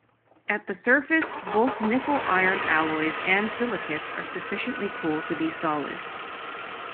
At the surface both nickel-iron alloys and silicates are sufficiently cool to be solid.